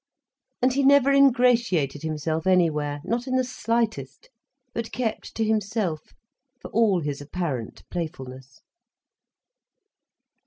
And he never ingratiated himself anywhere, not in the slightest, but kept to himself, for all his apparent playfulness.